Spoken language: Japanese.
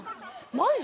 マジ？